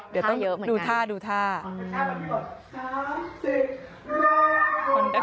เดี๋ยวต้องดูท่าเดี๋ยวต้องดูท่าเดี๋ยวต้องดูท่า